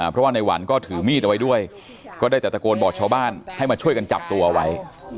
เพราะว่าในหวันก็ถือมีดเอาไว้ด้วยก็ได้แต่ตะโกนบอกชาวบ้านให้มาช่วยกันจับตัวไว้